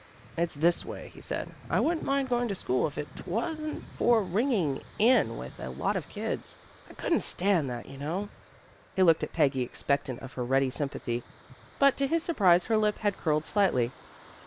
"It's this way," he said. "I wouldn't mind going to school if it 'twasn't for ringing in with a lot of kids. I couldn't stand that, you know." He looked at Peggy, expectant of her ready sympathy. But to his surprise, her lip had curled slightly.